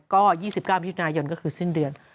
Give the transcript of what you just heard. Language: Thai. ก็๒๙มยก็คือสิ้นเดือน